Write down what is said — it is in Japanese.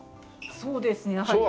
そうですねはい。